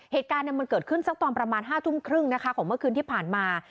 เหตุการณ์มันเกิดขึ้นสักตอนประมาณ๕ทุ่มครึ่งนะคะของเมื่อคืนที่ผ่านมา